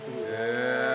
へえ！